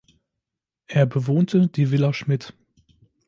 Er bewohnte die Villa Schmidt.